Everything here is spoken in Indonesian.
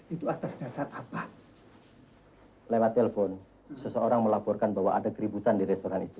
itu atas dasar apa lewat telepon seseorang melaporkan bahwa ada keributan di restoran itu